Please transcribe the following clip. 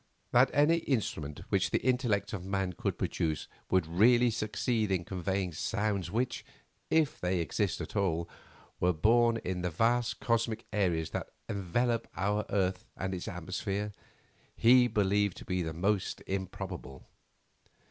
That any instrument which the intellect of man could produce would really succeed in conveying sounds which, if they exist at all, are born in the vast cosmic areas that envelope our earth and its atmosphere, he believed to be most improbable.